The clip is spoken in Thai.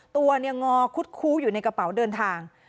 ตัวเนี่ยงอคุดคู้อยู่ในกระเป๋าเดินทาง